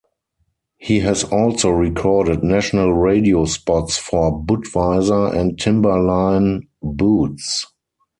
He has also recorded national radio spots for Budweiser and Timberline Boots.